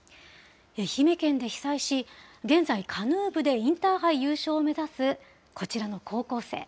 愛媛県で被災し、現在、カヌー部でインターハイ優勝を目指すこちらの高校生。